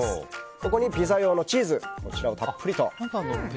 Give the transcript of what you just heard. ここにピザ用のチーズこちらをたっぷりと。